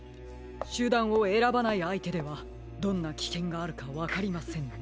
しゅだんをえらばないあいてではどんなきけんがあるかわかりませんね。